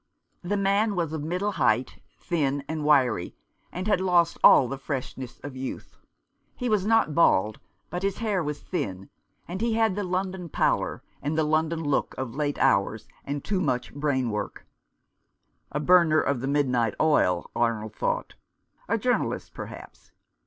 The man was of middle height, thin and wiry, and had lost all the freshness of youth. He was not bald, but his hair was thin, and he had the London pallor, and the London look of late hours Nineteenth century Crusaders. and too much brain work. A burner of the mid night oil, Arnold "thought — a journalist, perhaps.